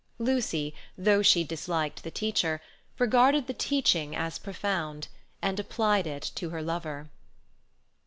Lucy, though she disliked the teacher, regarded the teaching as profound, and applied it to her lover.